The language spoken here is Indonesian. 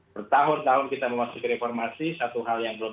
bertahun tahun kita memasuki reformasi satu hal yang belum